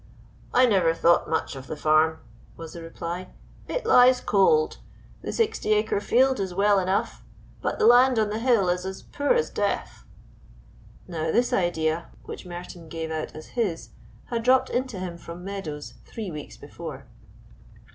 "I never thought much of the farm," was the reply, "it lies cold; the sixty acre field is well enough, but the land on the hill is as poor as death." Now this idea, which Merton gave out as his, had dropped into him from Meadows three weeks before.